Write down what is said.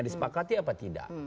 disepakati apa tidak